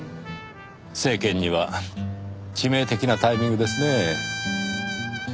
政権には致命的なタイミングですねぇ。